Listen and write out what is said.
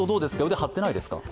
腕、張ってないですか？